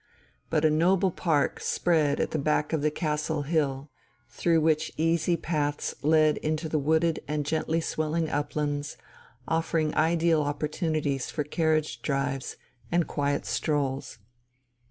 But a noble park spread at the back of the castle hill, through which easy paths led up into the wooded and gently swelling uplands, offering ideal opportunities for carriage drives and quiet strolls.